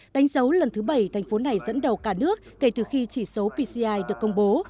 đánh dấu lần thứ bảy thành phố này dẫn đầu cả nước kể từ khi chỉ số pci được công bố